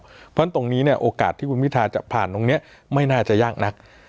เพราะฉะนั้นตรงนี้เนี่ยโอกาสที่คุณพิทาจะผ่านตรงนี้ไม่น่าจะยากนัก